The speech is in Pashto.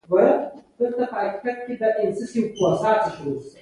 هغه د جراحي خونې ته لېږدول کېده.